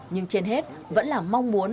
nhưng trên hết vẫn là mong muốn